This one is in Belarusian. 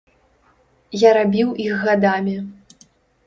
Я рабіў іх гадамі.